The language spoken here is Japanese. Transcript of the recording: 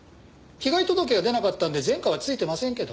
被害届が出なかったんで前科はついてませんけどね。